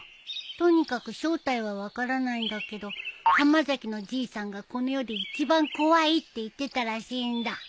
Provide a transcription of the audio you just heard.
とにかく正体は分からないんだけど浜崎のじいさんがこの世で一番怖いって言ってたらしいんだ。